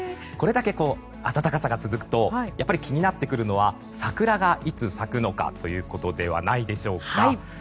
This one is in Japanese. これだけ暖かさが続くと気になってくるのは桜がいつ咲くのかということではないでしょうか。